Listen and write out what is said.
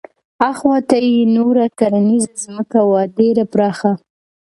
اخواته یې نوره کرنیزه ځمکه وه ډېره پراخه.